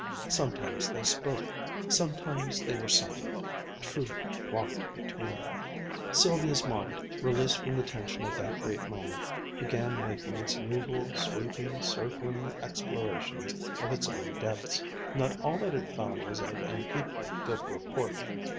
Sometimes they spoke, sometimes they were silent. Truth walked between them. Sylvia's mind, released from the tension of that great moment, began making its usual, sweeping, circling explorations of its own depths. Not all that it found was of an equal good report.